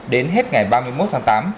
đến hết ngày ba mươi một tháng tám